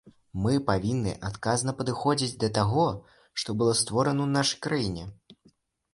Мы павінны адказна падыходзіць да таго, што было створана ў нашай краіне.